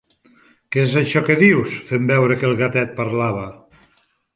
"Què és això que dius?", fent veure que el gatet parlava.